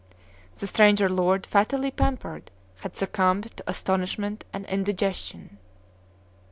The stranger lord, fatally pampered, had succumbed to astonishment and indigestion.